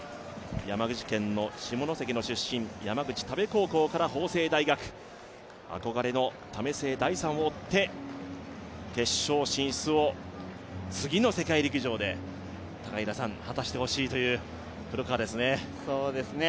山口県の下関の出身、田部高校から法政大学、憧れの為末大さんを追って決勝進出を次の世界陸上で果たしてほしいという黒川ですね。